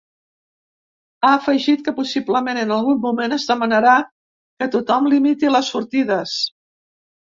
Ha afegit que possiblement en algun moment es demanarà que tothom limiti les sortides.